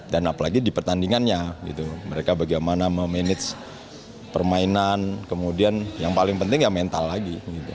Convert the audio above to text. dan apalagi di pertandingannya mereka bagaimana memanage permainan kemudian yang paling penting ya mental lagi